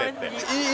いい？